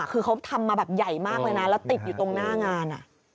คือเขาทำมาแบบใหญ่มากเลยนะแล้วติดอยู่ตรงหน้างาน